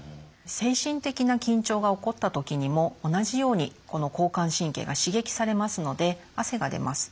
精神的な緊張が起こった時にも同じようにこの交感神経が刺激されますので汗が出ます。